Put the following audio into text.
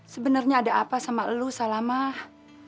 sebenernya ada apa sama lo salamah